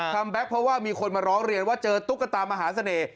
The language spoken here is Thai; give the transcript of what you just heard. แก๊กเพราะว่ามีคนมาร้องเรียนว่าเจอตุ๊กตามหาเสน่ห์